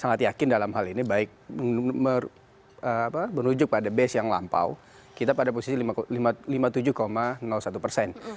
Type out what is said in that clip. sangat yakin dalam hal ini baik menuju pada base yang lampau kita pada posisi lima puluh tujuh satu persen